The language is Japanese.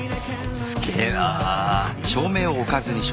すげえな。